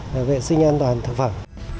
về vệ sinh an toàn thực phẩm